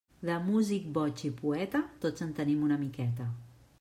De músic, boig i poeta, tots en tenim una miqueta.